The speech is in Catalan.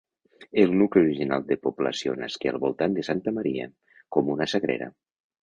El nucli original de població nasqué al voltant de santa Maria, com una sagrera.